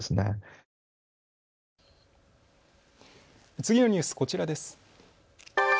次のニュース、こちらです。